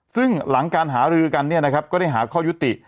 ซึ่งหลังการหารือกันก็ได้หาข้อยุติ